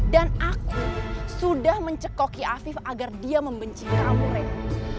dan aku sudah mencekoki afif agar dia membenci kamu raina